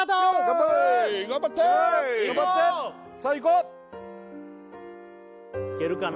こういけるかな？